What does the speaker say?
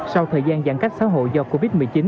sau thời gian giãn cách xã hội do covid một mươi chín